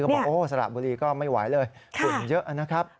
บอกโอ้สระบุรีก็ไม่ไหวเลยฝุ่นเยอะนะครับ